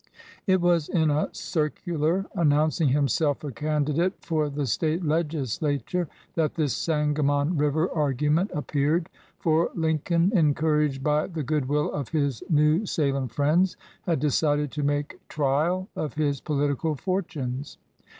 It was in a circular announcing himself a can didate for the State legislature that this Sanga mon River argument appeared; for Lincoln, en couraged by the good will of his New Salem friends, had decided to make trial of his political fortunes.